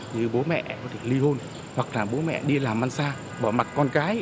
như bố mẹ có thể ly hôn hoặc là bố mẹ đi làm ăn xa bỏ mặt con cái